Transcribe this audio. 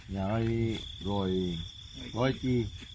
ยาไอ๑๐๐จี